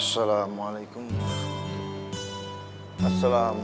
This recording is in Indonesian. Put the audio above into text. assalamualaikum warahmatullahi wabarakatuh